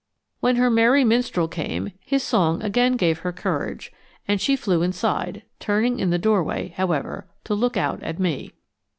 When her merry minstrel came, his song again gave her courage and she flew inside, turning in the doorway, however, to look out at me.